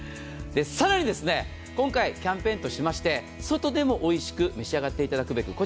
さらに今回キャンペーンとしまして外でもおいしく召し上がっていただくべく。